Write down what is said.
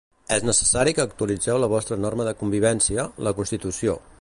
És necessari que actualitzeu la vostra norma de convivència, la Constitució.